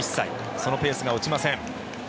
そのペースが落ちません。